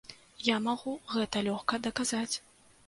Я магу гэта лёгка даказаць.